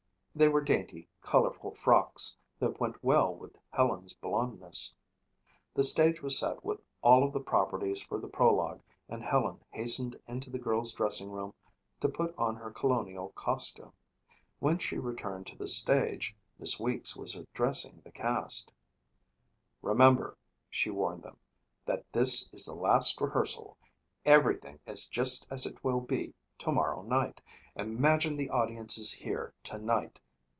They were dainty, colorful frocks that went well with Helen's blondness. The stage was set with all of the properties for the prologue and Helen hastened into the girl's dressing room to put on her colonial costume. When she returned to the stage, Miss Weeks was addressing the cast. "Remember," she warned them, "that this is the last rehearsal. Everything is just as it will be tomorrow night. Imagine the audience is here tonight.